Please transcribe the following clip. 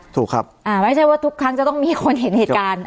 ถูกครับอ่าไม่ใช่ว่าทุกครั้งจะต้องมีคนเห็นเหตุการณ์